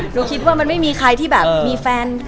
หนูคิดว่ามันไม่มีใครที่แบบมีแฟน